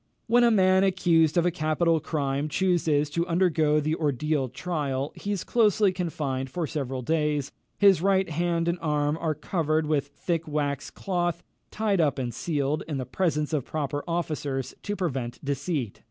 "When a man, accused of a capital crime, chooses to undergo the ordeal trial, he is closely confined for several days; his right hand and arm are covered with thick wax cloth, tied up and sealed, in the presence of proper officers, to prevent deceit.